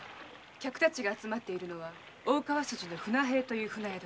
客たちが集まっているのは大川筋の「舟平」という船宿。